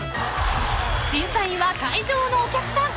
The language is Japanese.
［審査員は会場のお客さん］